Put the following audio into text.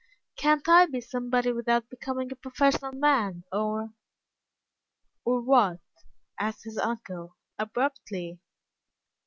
"Can't I be somebody without becoming a professional man, or " "Or, what?" asked his uncle, abruptly.